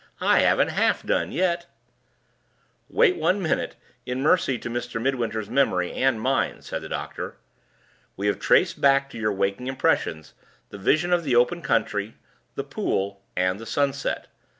I haven't half done yet." "Wait one minute, in mercy to Mr. Midwinter's memory and mine," said the doctor. "We have traced back to your waking impressions the vision of the open country, the pool, and the sunset.